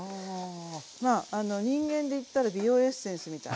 まあ人間でいったら美容エッセンスみたいな。